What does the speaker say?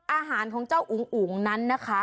อาหารของเจ้าอุ๋งอุ๋งนั้นนะคะ